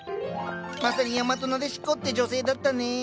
まさに大和撫子って女性だったね。